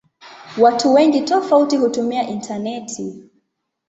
Watu wengi tofauti hutumia intaneti.